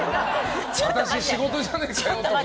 私、仕事じゃねえかよとか。